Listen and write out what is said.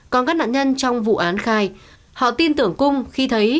còn các nạn nhân trong vụ án khai họ tin tưởng cung khi thấy